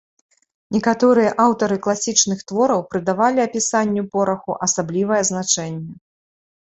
Некаторыя аўтары класічных твораў прыдавалі апісанню пораху асаблівае значэнне.